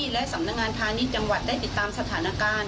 และสำนักงานพาณิชย์จังหวัดได้ติดตามสถานการณ์